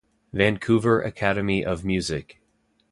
Vancouver Academy of Music.